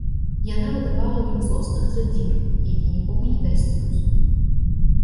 Яна выдавала ў ім злоснага задзіру, які нікому не дасць спуску.